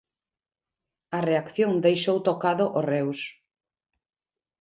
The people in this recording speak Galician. A reacción deixou tocado o Reus.